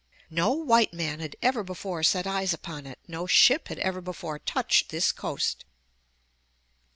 No white man had ever before set eyes upon it. No ship had ever before touched this coast.